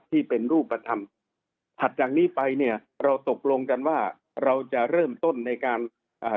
ที่เป็นรูปธรรมถัดจากนี้ไปเนี่ยเราตกลงกันว่าเราจะเริ่มต้นในการอ่า